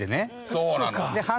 そうなの。